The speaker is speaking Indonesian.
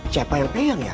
siapa yang pengen ya